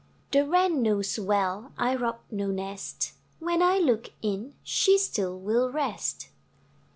The Wren knows well I rob no nest: When I look in, She still will rest.